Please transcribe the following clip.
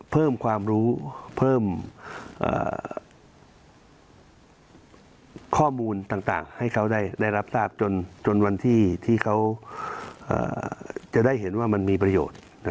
เพิ่มความรู้เพิ่มข้อมูลต่างให้เขาได้รับทราบจนวันที่เขาจะได้เห็นว่ามันมีประโยชน์